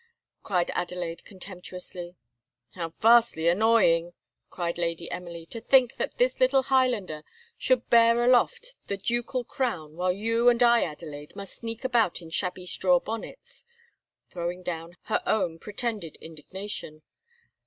cried Adelaide contemptuously. "How vastly annoying!" cried Lady Emily; "to think that this little Highlander should bear a loft the ducal crown, while you and I, Adelaide, must sneak about in shabby straw bonnets," throwing down her own in pretended indignation.